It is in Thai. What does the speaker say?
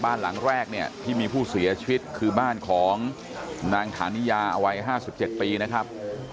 บ้านหลังแรกเนี่ยที่มีผู้เสียชีวิตคือบ้านของนางฐานิยาวัย๕๗ปีนะครับ